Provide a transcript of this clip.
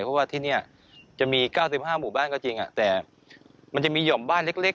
เพราะว่าที่นี่จะมี๙๕หมู่บ้านก็จริงแต่มันจะมีห่อมบ้านเล็ก